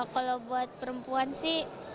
kalau buat perempuan sih